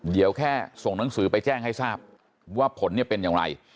เดี๋ยวแค่ส่งหนังสือไปแจ้งให้ทราบว่าผลเนี่ยเป็นอย่างไร